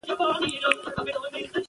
لیکوال د اصفهان منظرکشي په ښه توګه کړې ده.